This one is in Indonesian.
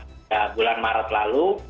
yang pertama bulan maret lalu